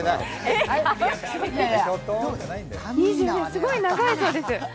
すごい長いそうです。